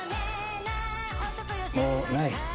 もうない。